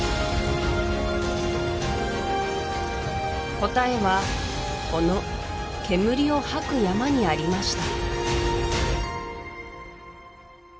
答えはこの煙を吐く山にありました